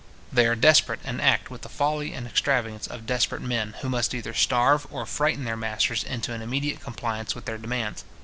They are desperate, and act with the folly and extravagance of desperate men, who must either starve, or frighten their masters into an immediate compliance with their demands.